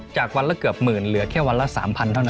จากวันละเกือบหมื่นเหลือแค่วันละ๓๐๐เท่านั้น